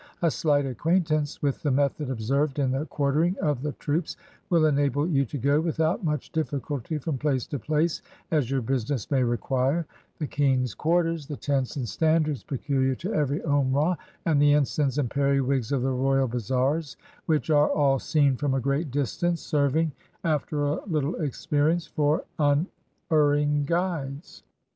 A slight acquaint ance with the method observed in the quartering of the troops will enable you to go, without much difficulty from place to place as your business may require; the king's quarters, the tents and standards peculiar to every Omrah, and the ensigns and "periwigs" of the royal bazaars, which are all seen from a great distance, serv ing, after a little experience, for unerring guides.